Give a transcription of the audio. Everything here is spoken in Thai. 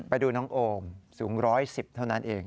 ไปดูน้องโอมสูง๑๑๐เท่านั้นเอง